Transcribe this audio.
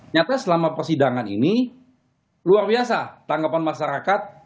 nyata selama persidangan ini luar biasa tanggapan masyarakat